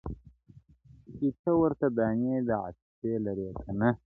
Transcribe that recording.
چي ته ورته دانې د عاطفې لرې که نه-